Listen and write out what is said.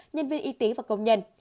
nhân viên y tế và công nhân